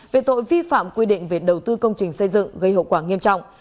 về tội vi phạm quy định về đầu tư công trình xây dựng gây hậu quả nghiêm trọng